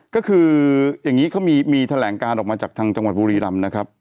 ก็คืออย่างนี้เขามีแถลงการออกมาจากทางจังหวัดบุรีรำนะครับ